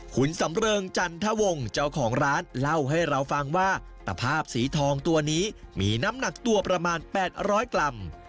คุณสำเริงจันทวงเจ้าของร้านเล่าให้เราฟังว่าตะภาพสีทองตัวนี้มีน้ำหนักตัวประมาณ๘๐๐กรัม